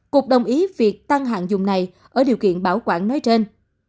cục đồng ý việc tăng hạng dùng này ở điều kiện bảo quản nói trên